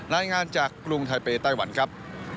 รายงานจากกรุงไทเปไต้หวันครับ